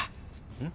うん？